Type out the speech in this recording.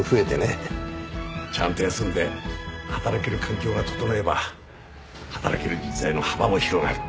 ちゃんと休んで働ける環境が整えば働ける人材の幅も広がる。